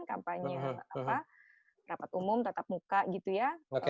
kampanye rapat umum tetap muka gitu ya